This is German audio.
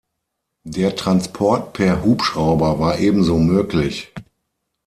Der Transport per Hubschrauber war ebenso möglich.